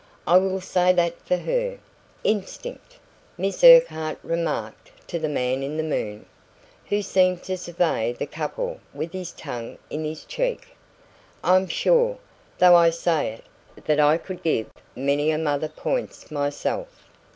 I will say that for her." "Instinct," Miss Urquhart remarked to the man in the moon, who seemed to survey the couple with his tongue in his cheek. "I'm sure, though I say it, that I could give many a mother points myself."